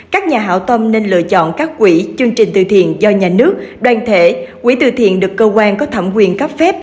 các nhà hảo tâm nên lựa chọn các quỹ chương trình từ thiện do nhà nước đoàn thể quỹ từ thiện được cơ quan có thẩm quyền cấp phép